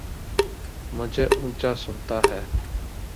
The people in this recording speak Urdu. مجھے اونچا سنتا ہے